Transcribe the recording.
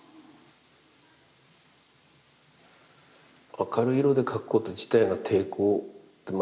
明るい色で描くこと自体が抵抗ま